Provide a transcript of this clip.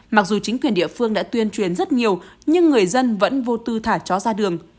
mặc dù chính quyền địa phương đã tuyên truyền rất nhiều nhưng người dân vẫn vô tư thả chó ra đường